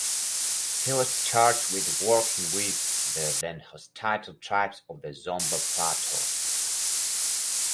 He was charged with working with the then hostile tribes of the Zomba plateau.